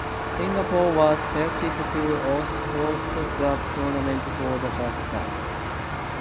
Singapore was selected to host the tournament for the first time.